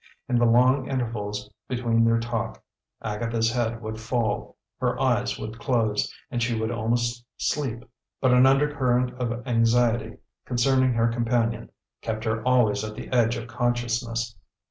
In the long intervals between their talk, Agatha's head would fall, her eyes would close, and she would almost sleep; but an undercurrent of anxiety concerning her companion kept her always at the edge of consciousness.